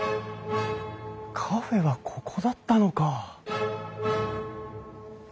カフェはここだったのか。